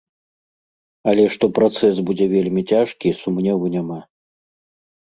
Але што працэс будзе вельмі цяжкі, сумневу няма.